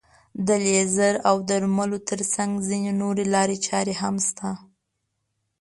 د لیزر او درملو تر څنګ ځينې نورې لارې چارې هم شته.